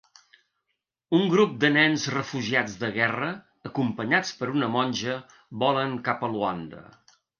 Un grup de nens refugiats de guerra, acompanyats per una monja, volen cap a Luanda.